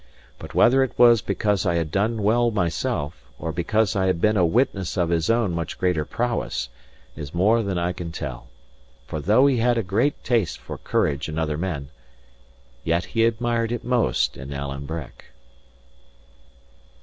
But whether it was because I had done well myself, or because I had been a witness of his own much greater prowess, is more than I can tell. For though he had a great taste for courage in other men, yet he admired it most in Alan Breck.